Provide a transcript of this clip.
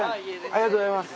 ありがとうございます。